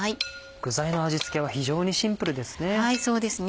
具材の味付けは非常にシンプルですね。